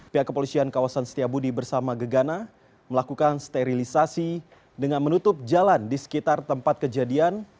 pihak kepolisian kawasan setiabudi bersama gegana melakukan sterilisasi dengan menutup jalan di sekitar tempat kejadian